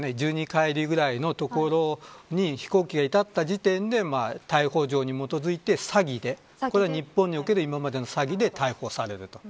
１２海里ぐらいの所に飛行機が至った時点で逮捕状に基づいて日本における今までの詐欺で逮捕されると。